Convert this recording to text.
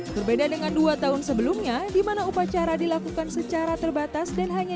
berbeda dengan dua tahun sebelumnya dimana upacara dilakukan secara terbatas dan hanya